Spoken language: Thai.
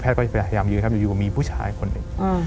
ก็พยายามยืนครับอยู่มีผู้ชายคนหนึ่ง